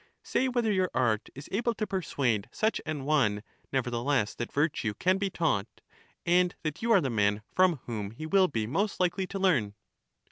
Say whether your art is able to persuade such an one nevertheless that virtue can be taught; and that you are the men from whom he will be most likely to learn.